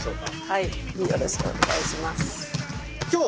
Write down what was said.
はい。